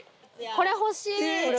これ、欲しい。